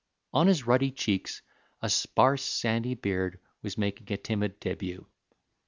On his ruddy cheeks a sparse, sandy beard was making a timid début.